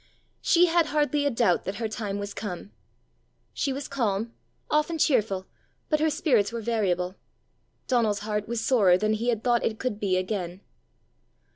She had hardly a doubt that her time was come. She was calm, often cheerful, but her spirits were variable. Donal's heart was sorer than he had thought it could be again.